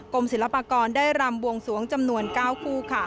ศิลปากรได้รำบวงสวงจำนวน๙คู่